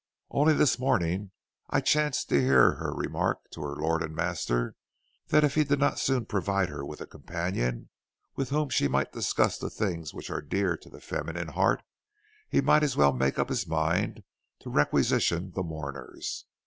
Only this morning I chanced to hear her remark to her lord and master that if he did not soon provide her with a companion with whom she might discuss the things which are dear to the feminine heart, he might as well make up his mind to requisition the mourners.